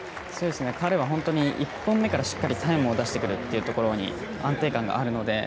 彼は本当に１本目からタイムが出してくるところに安定感があるので。